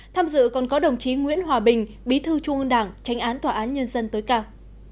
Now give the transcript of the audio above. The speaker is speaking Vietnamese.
tham dự còn có đồng chí nguyễn hòa bình bí thư trung ương đảng tránh án tòa án nhân dân tối cao